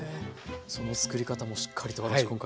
その作り方もしっかりと私